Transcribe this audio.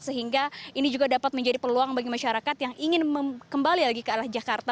sehingga ini juga dapat menjadi peluang bagi masyarakat yang ingin kembali lagi ke arah jakarta